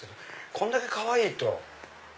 こんだけかわいいと。